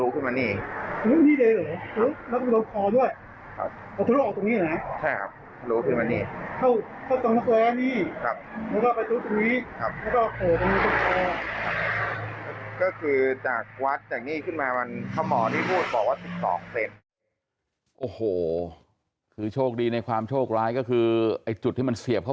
เขียบเข้าตรงนี้ครับแล้วทะลุขึ้นมานี่